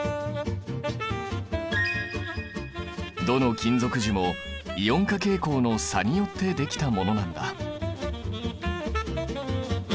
どの金属樹もイオン化傾向の差によって出来たものなんだ。